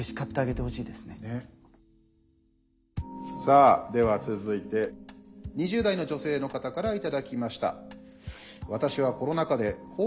さあでは続いて２０代の女性の方から頂きました。